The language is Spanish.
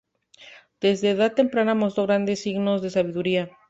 Desde edad temprana mostró grandes signos de sabiduría.